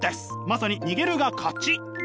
まさに逃げるが勝ち！